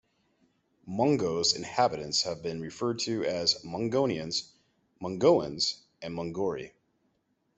Mongo's inhabitants have been referred to as "Mongonians", "Mongoans", and "Mongori".